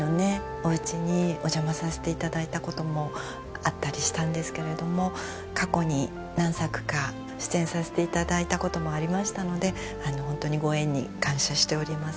おうちにお邪魔させていただいたこともあったりしたんですけれども過去に何作か出演させていただいたこともありましたのでホントにご縁に感謝しております